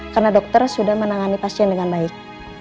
karena dokter sudah menangani pasien dengan baik